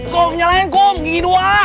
kung nyalain kung gini dua